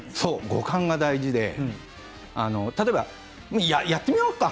五感が大事で例えば、やってみようか。